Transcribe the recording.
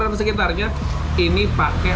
dan sekitarnya ini pakai